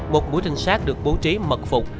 một buổi trình sát được bố trí mật phục